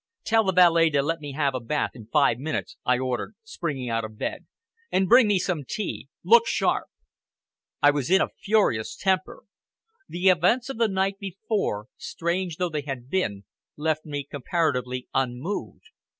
"Tell the valet to let me have a bath in five minutes," I ordered, springing out of bed, "and bring me some tea. Look sharp!" I was in a furious temper. The events of the night before, strange though they had been, left me comparatively unmoved.